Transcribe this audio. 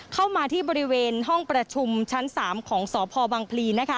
เข้ามาที่บริเวณห้องประชุมชั้น๓ของสพบังพลี